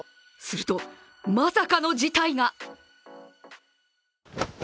すると、まさかの事態が！